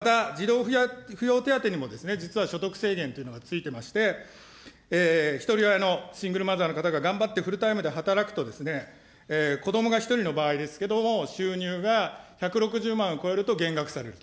また、児童扶養手当にも実は所得制限というのがついていまして、ひとり親のシングルマザーの方が頑張ってフルタイムで働くと、子どもが１人の場合ですけど、収入が１６０万を超えると減額されると。